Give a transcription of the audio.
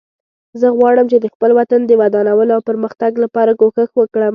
زه غواړم چې د خپل وطن د ودانولو او پرمختګ لپاره کوښښ وکړم